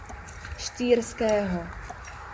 Štýrského.